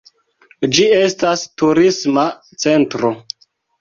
Ĝi estas turisma centro.